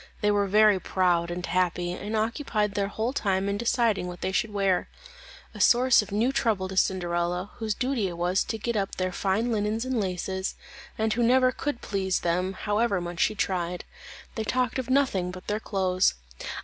They were very proud and happy, and occupied their whole time in deciding what they should wear; a source of new trouble to Cinderella, whose duty it was to get up their fine linen and laces, and who never could please them however much she tried. They talked of nothing but their clothes.